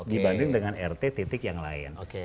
dibanding dengan rt titik yang lain